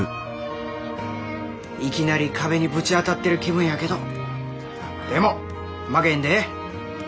「いきなり壁にぶち当たってる気分やけどでも負けへんで。